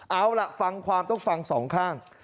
เอาล่ะฟังความต้องฟังสองข้าง